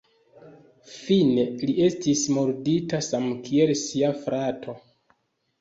Fine li estis murdita samkiel sia frato.